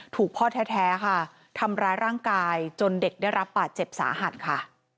พ่อแท้ค่ะทำร้ายร่างกายจนเด็กได้รับบาดเจ็บสาหัสค่ะ